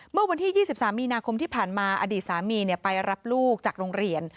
เมื่อวันที่๒๓มีนาคมที่ผ่านมาอดีตสามีไปรับลูกจากโรงเรียน